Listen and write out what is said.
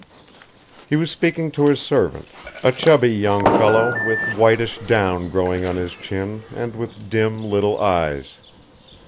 He was speaking to his servant, a chubby young fellow with whitish down growing on his chin and with dim little eyes.